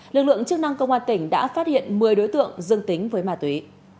lực lượng chức năng công an tỉnh đã phát hiện một mươi đối tượng dương tính với ma túy